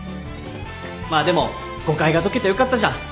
まあでも誤解が解けてよかったじゃん。